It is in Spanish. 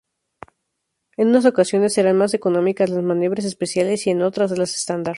En unas ocasiones serán más económicas las maniobras especiales y en otras las estándar.